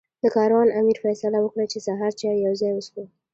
د کاروان امیر فیصله وکړه چې سهار چای یو ځای وڅښو.